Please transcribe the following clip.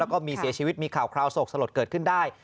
แล้วก็มีเสียชีวิตมีข่าวคราวโศกสลดเกิดขึ้นได้